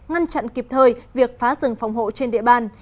ngăn chặn kịp thời việc phá rừng phòng hộ trên địa bàn